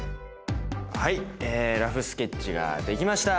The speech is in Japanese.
はいラフスケッチが出来ました！